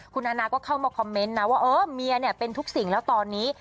คุณอาณาก็เข้ามาคอมเมนต์นะว่าเออเมียเนี่ยเป็นทุกสิ่งแล้วตอนนี้